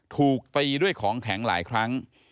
ถูกตีด้วยของแข็งหลายครั้ง